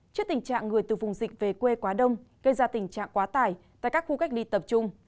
trước tình trạng người từ vùng dịch về quê quá đông gây ra tình trạng quá tải tại các khu cách ly tập trung